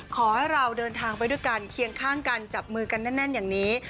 ขอให้เราเดินทางไปด้วยกันเคียงข้างกันจับมือกันแน่นอย่างนี้